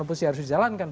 itu harus dijalankan